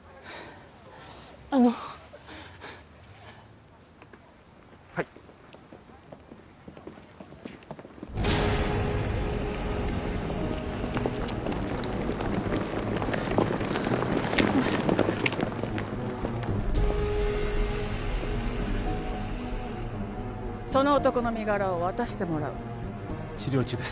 あのはいその男の身柄を渡してもらう治療中です